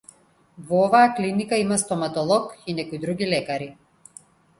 Во оваа клиника има стоматолог и некои други лекари.